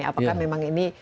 apakah memang ini